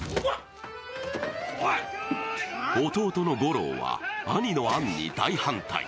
弟の悟朗は兄の案に大反対。